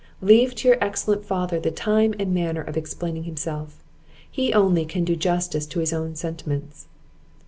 Leave to your excellent father the time and manner of explaining himself; he only can do justice to his own sentiments."